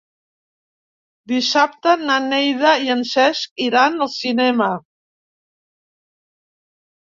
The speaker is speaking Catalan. Dissabte na Neida i en Cesc iran al cinema.